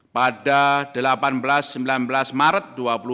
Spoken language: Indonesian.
pada delapan belas sembilan belas maret dua ribu dua puluh